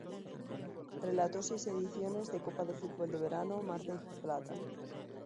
Relató seis ediciones de "Copa de fútbol de verano Mar del Plata".